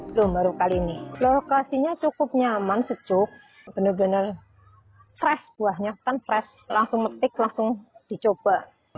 itu baru kali ini lokasinya cukup nyaman sejuk benar benar fresh buahnya kan fresh langsung metik langsung dicoba